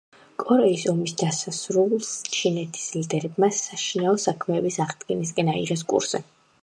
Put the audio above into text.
კორეის ომის დასასრულ ჩინეთის ლიდერებმა საშინაო საქმეების აღდგენისკენ აიღეს კურსი.